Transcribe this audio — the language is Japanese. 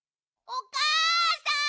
・おかあさん！